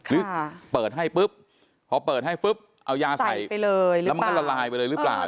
หรือเปิดให้เพราะเปิดให้เอายาใส่แล้วมันก็ละลายไปเลยหรือเปล่า